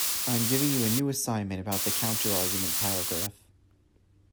I am giving you a new assignment about the counterargument paragraph.